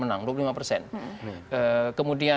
ada pak sby